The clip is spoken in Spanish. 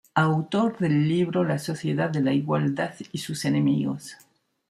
Autor del libro "La Sociedad de la Igualdad i sus enemigos".